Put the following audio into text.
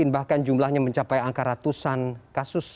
bahkan jumlahnya mencapai angka ratusan kasus